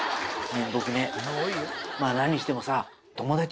まぁ何にしてもさ。